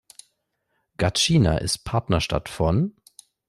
Gattschina ist Partnerstadt von